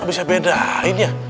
gak bisa bedainnya